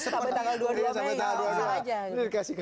sama tanggal dua puluh dua mei